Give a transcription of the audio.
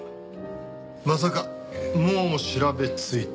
まさかもう調べついてる？